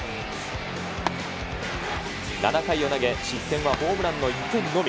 ７回を投げ、失点はホームランの１点のみ。